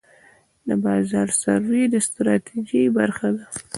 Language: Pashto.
د بازار سروې د ستراتیژۍ برخه ده.